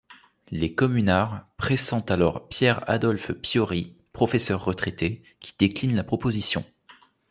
Les communards pressentent alors Pierre Adolphe Piorry, professeur retraité, qui décline la proposition.